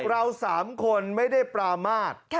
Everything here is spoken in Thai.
คือเราสามคนไม่ได้ปรามาศ